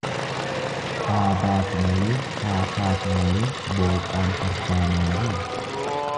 Haa baatu malee, haa kaatu malee booqaan fardaa malii?